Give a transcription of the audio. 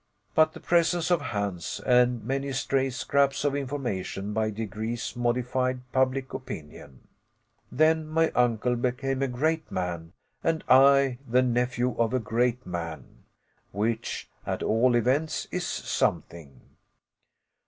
But the presence of Hans and many stray scraps of information by degrees modified public opinion. Then my uncle became a great man and I the nephew of a great man, which, at all events, is something.